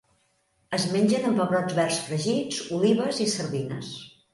Es mengen amb pebrots verds fregits, olives i sardines.